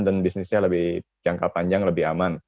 dan bisnisnya lebih jangka panjang lebih aman